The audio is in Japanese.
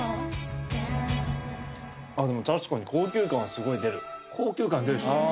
あっでも確かに高級感はスゴい出る高級感出るでしょあ